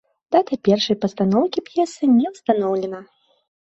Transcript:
Дата першай пастаноўкі п'есы не ўстаноўлена.